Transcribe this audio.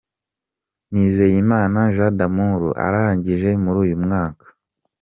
Nizeyimana Jean D’Amour arangije muri uyu mwaka.